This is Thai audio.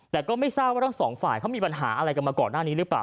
แต่ก็ไม่ทราบว่าทั้งสองฝ่ายเขามีปัญหาอะไรกันมาก่อนหน้านี้หรือเปล่า